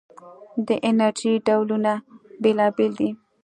د انرژۍ ډولونه بېلابېل دي.